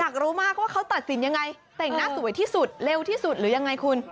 อยากรู้มากว่าเขาตัดสินยังไงแต่งหน้าสวยที่สุดเร็วที่สุดหรือยังไงคุณ